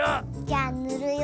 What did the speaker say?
じゃあぬるよ。